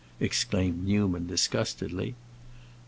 exclaimed Newman disgustedly.